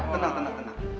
tenang tenang tenang